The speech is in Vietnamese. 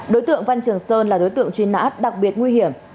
đối tượng văn trường sơn là đối tượng truy nã đặc biệt nguy hiểm